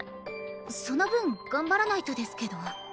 その分頑張らないとですけど。